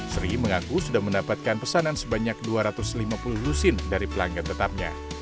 sri mengaku sudah mendapatkan pesanan sebanyak dua ratus lima puluh lusin dari pelanggan tetapnya